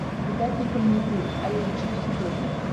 Выдатнікам не быў, але вучыўся добра.